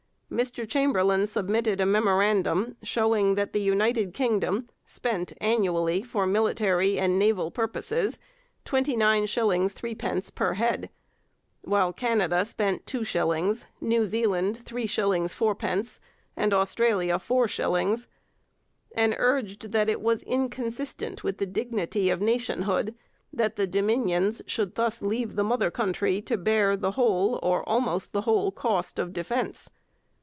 Mr Chamberlain submitted a memorandum showing that the United Kingdom spent annually for military and naval purposes 29s 3d per head while Canada spent 2s, New Zealand 3s 4d, and Australia 4s and urged that it was inconsistent with the dignity of nationhood that the Dominions should thus leave the mother country to bear the whole or almost the whole cost of defence.